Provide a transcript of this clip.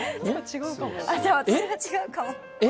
じゃあ、私が違うかも。